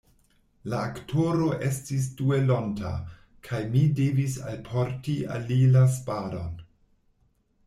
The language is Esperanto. La aktoro estis duelonta, kaj mi devis alporti al li la spadon.